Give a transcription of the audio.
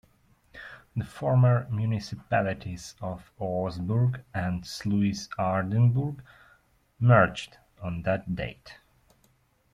The former municipalities of Oostburg and Sluis-Aardenburg merged on that date.